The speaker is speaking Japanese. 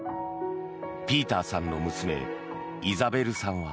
ピーターさんの娘イザベルさんは。